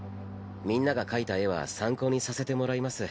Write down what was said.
みんなが描いた絵は参考にさせてもらいます。